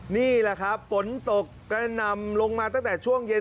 นี่แหละครับฝนตกกระนำลงมาตั้งแต่ช่วงเย็น